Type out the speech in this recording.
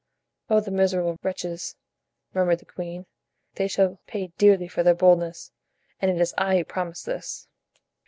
"Oh, the miserable wretches!" murmured the queen, "they shall pay dearly for their boldness, and it is I who promise this."